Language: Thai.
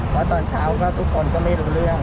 เพราะตอนเช้าก็ทุกคนก็ไม่รู้เรื่อง